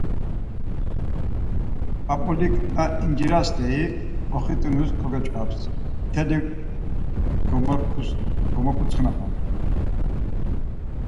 P̌ap̌ulik na inciras steri oxut̆inus kogyoç̌ǩaps, mteli gomoǩutsxinapan.